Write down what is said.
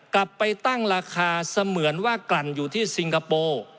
กลับไปตั้งราคาเสมือนว่ากลั่นอยู่ที่ซิงคโปร์